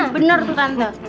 bener tuh kanta